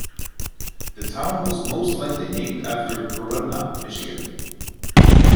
The town was most likely named after Corunna, Michigan.